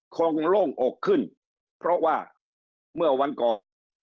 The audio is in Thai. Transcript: คงโล่งอกขึ้นเพราะว่าเมื่อวันก่อน